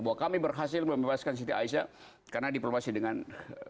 bahwa kami berhasil membebaskan siti aisyah karena diplomasi dengan